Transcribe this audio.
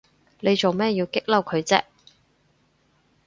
你做乜要激嬲佢啫？